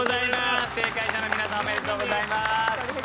正解者の皆さんおめでとうございます。